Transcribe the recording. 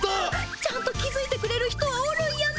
ちゃんと気づいてくれる人はおるんやねアニさん。